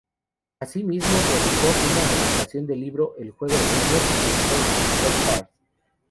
Asimismo, realizó una adaptación del libro "El juego de Ender", de Orson Scott Card.